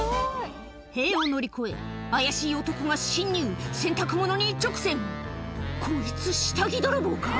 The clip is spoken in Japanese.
塀を乗り越え怪しい男が侵入洗濯物に一直線こいつ下着泥棒か？